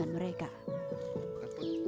dan mereka lebih dekat dari sebuah rumah